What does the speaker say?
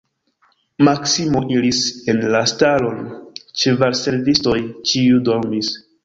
Maksimo iris en la stalon, ĉevalservistoj ĉiuj dormis.